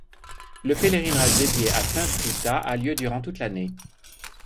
Le pèlerinage dédié à sainte Rita a lieu durant toute l’année.